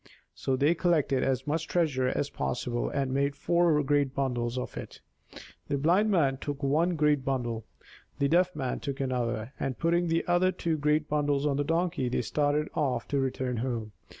So they collected as much treasure as possible and made four great bundles of it. The Blind Man took one great bundle, the Deaf Man took another, and, putting the other two great bundles on the Donkey, they started off to return home.